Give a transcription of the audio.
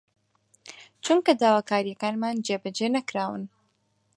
چونکە داواکارییەکانمان جێبەجێ نەکراون